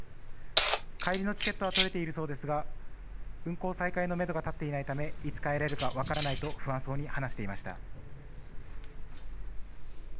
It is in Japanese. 帰りのチケットは取れているそうですが運航再開のめどが立っていないためいつ帰れるか分からないと不安そうに話していました。